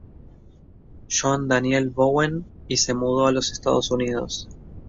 John Daniel Bowen, y se mudó a los Estados Unidos.